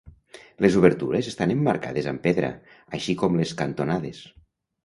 Les obertures estan emmarcades amb pedra, així com les cantonades.